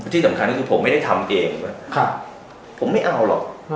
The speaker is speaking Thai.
ที่สำคัญก็คือผมไม่ได้ทำเองป่ะผมไม่เอาหรอก